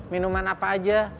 minuman apa aja